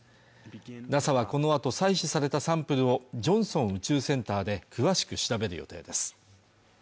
ＮＡＳＡはこのあと採取されたサンプルをジョンソン宇宙センターで詳しく調べる予定です